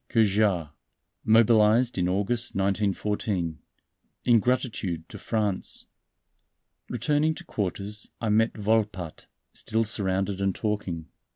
Cajard, mobilized in August, 1914, in gratitude to France." Returning to quarters I met Volpatte, still surrounded and talking.